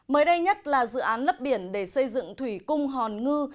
mới đây nhất là dự án lấp biển để xây dựng thủy cung hòn ngư